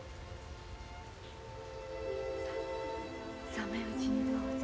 冷めんうちにどうぞ。